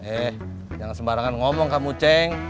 eh jangan sembarangan ngomong kamu ceng